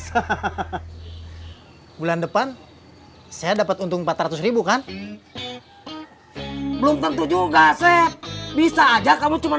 hahaha bulan depan saya dapat untung empat ratus ribu kan belum tentu juga saya bisa aja kamu cuma